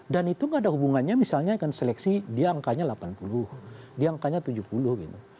dan itu nggak ada hubungannya misalnya kan seleksi dia angkanya delapan puluh dia angkanya tujuh puluh gitu